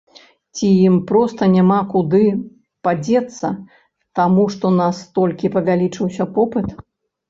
Ці ім проста няма куды падзецца, таму што настолькі павялічыўся попыт?